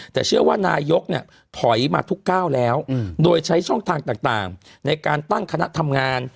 แต่เชื่อว่านายกเนี่ยถอยมาทุกก้าวแล้วโดยใช้ช่องทางต่างในการตั้งคณะทำงาน